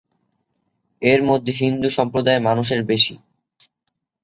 এর মধ্যে হিন্দু সম্প্রদায়ের মানুষের বেশি।